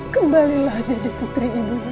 kembalilah jadi putri ibu yang dulu